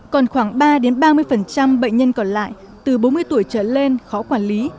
còn khoảng ba ba mươi bệnh nhân còn lại từ bốn mươi tuổi trở lên khó quản lý